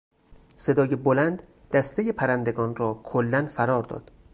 صدای بلند دستهی پرندگان را کلا فرار داد.